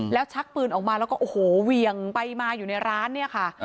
แล้วชักปืนออกมาแล้วก็โอ้โหเวียงไปมาอยู่ในร้านเนี่ยค่ะ